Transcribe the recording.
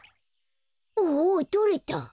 おとれた！